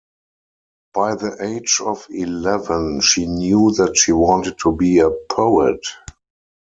By the age of eleven, she knew that she wanted to be a poet.